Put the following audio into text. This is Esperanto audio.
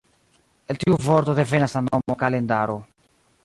El tiu vorto devenas la nomo “kalendaro”.